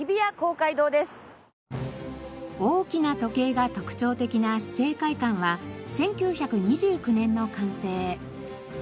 大きな時計が特徴的な市政会館は１９２９年の完成。